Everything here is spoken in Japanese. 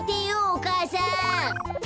お母さん。